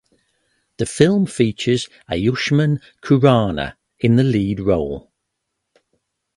The film features Ayushmann Khurrana in the lead role.